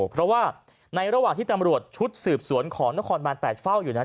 เพราะว่าในระหว่างที่ตำรวจชุดสืบสวนของนครบาน๘เฝ้าอยู่นั้น